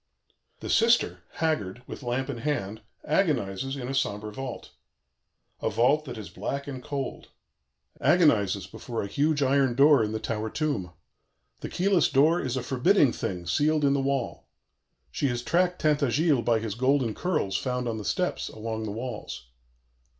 "The sister, haggard, with lamp in hand, agonizes in a sombre vault, a vault that is black and cold; agonizes before a huge iron door in the tower tomb. The keyless door is a forbidding thing sealed in the wall. She has tracked Tintagiles by his golden curls found on the steps, along the walls.